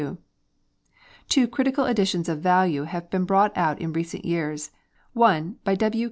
Two critical editions of value have been brought out in recent years: one by W.